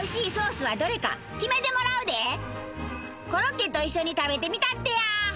コロッケと一緒に食べてみたってや！